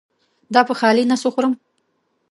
دا په خالي نس وخورم؟